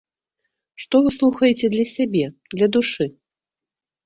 Што вы слухаеце для сябе, для душы?